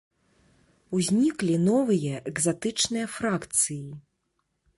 Узніклі новыя экзатычныя фракцыі.